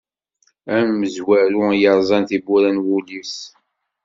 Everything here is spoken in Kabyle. Amezwaru i yerẓan tiwwura n wul-is.